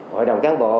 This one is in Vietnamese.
hội đồng cán bộ